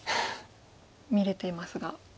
見れていますが。